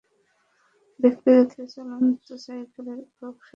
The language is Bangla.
দেখতে দেখতে চলন্ত সাইকেলের একক সারিটা প্রায় চার কিলোমিটার দীর্ঘ হয়ে গেল।